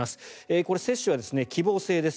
これ、接種は希望制です。